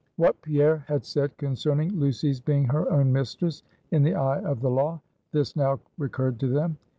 What Pierre had said concerning Lucy's being her own mistress in the eye of the law; this now recurred to them.